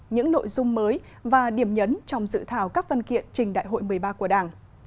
những nội dung mới và điểm nhấn trong dự thảo các văn kiện trình đại hội một mươi ba của đảng